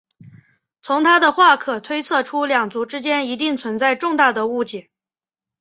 从她的话可推测出两族之间一定存在重大的误解。